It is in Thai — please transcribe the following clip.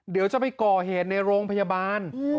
เดี๋ยวจะไปก่อเหตุในโรงพยาบาล